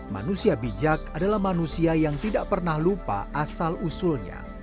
manusia bijak adalah manusia yang tidak pernah lupa asal usulnya